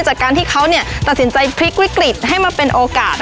จากการที่เขาตัดสินใจพลิกวิกฤตให้มาเป็นโอกาส